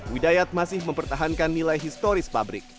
widayat masih mempertahankan nilai historis pabrik